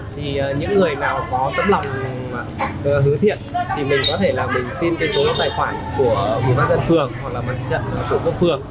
thì những người nào có tấm lòng hứa thiện thì mình có thể là mình xin cái số tài khoản của ủy ban dân phường hoặc là mặt trận của cấp phường